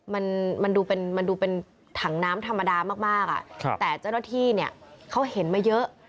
มันดูเป็นถังน้ำธรรมดามากแต่เจ้าหน้าที่เขาเห็นมาเยอะ